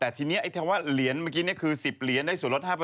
ไอเถวว่าเหรียญคือ๑๐เหรียญได้๐๕